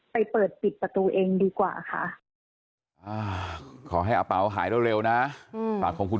ไปเปิดปิดประตูเองดีกว่าค่ะขอให้อาเปาหายเร็วนะขอขอบคุณ